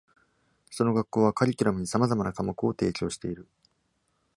その学校はカリキュラムにさまざまな科目を提供している。